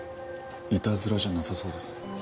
いたずらじゃなさそうですね。